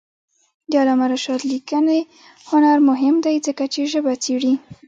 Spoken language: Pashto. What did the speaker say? د علامه رشاد لیکنی هنر مهم دی ځکه چې ژبه څېړي.